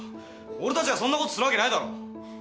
俺たちがそんなことするわけないだろ！